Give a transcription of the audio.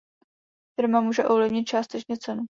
Firma může ovlivnit částečně cenu.